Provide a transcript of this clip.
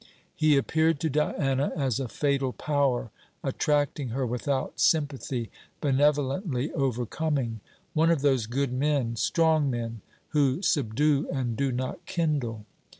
He appeared to Diana as a fatal power, attracting her without sympathy, benevolently overcoming: one of those good men, strong men, who subdue and do not kindle.